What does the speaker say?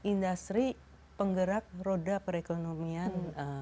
industri penggerak roda perekonomian